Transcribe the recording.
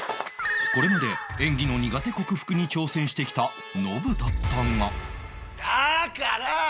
これまで演技の苦手克服に挑戦してきたノブだったがだから！